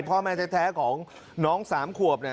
พ่อแมนแท้ของน้องสามควบ